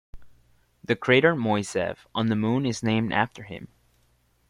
The crater Moiseev on the Moon is named after him.